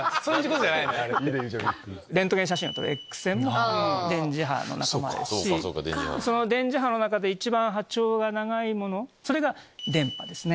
レントゲン写真を撮るＸ線も電磁波の仲間ですしその電磁波の中で一番波長が長いのが電波ですね。